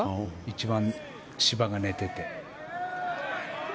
一番芝が寝ていて。